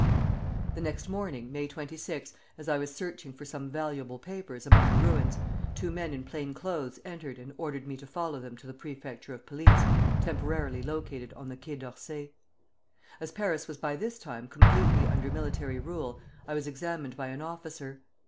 "The next morning, May 26, as I was searching for some valuable papers among the ruins, two men in plain clothes entered and ordered me to follow them to the Prefecture of Police, temporarily located on the Quai d'Orsay. As Paris was by this time completely under military rule I was examined by an officer.